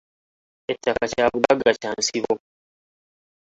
Ettaka kya bugagga kya nsibo.